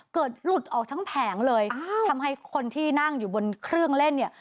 หลุดออกทั้งแผงเลยทำให้คนที่นั่งอยู่บนเครื่องเล่นเนี่ย